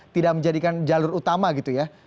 tidak menjadikan jalur utama gitu ya